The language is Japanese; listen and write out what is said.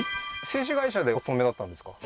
製紙会社でお勤めだったんですか？